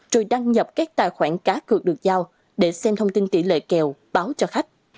rồi đăng nhập các tài khoản cá cược được giao để xem thông tin tỷ lệ kèo báo cho khách